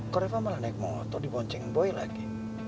kok reva malah naik motor di ponceng boy lagi